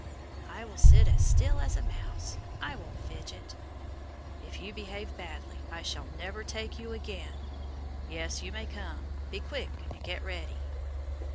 "I will sit as still as a mouse. I won't fidget." "If you behave badly I shall never take you again. Yes, you may come. Be quick and get ready."